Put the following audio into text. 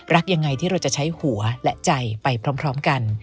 รักยังไงที่เราจะใช้หัวและใจไปพร้อมกัน